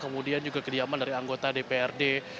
kemudian juga kediaman dari anggota dprd